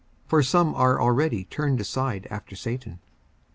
54:005:015 For some are already turned aside after Satan.